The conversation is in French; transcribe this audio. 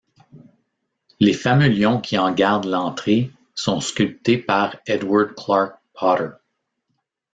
Les fameux lions qui en gardent l'entrée sont sculptés par Edward Clark Potter.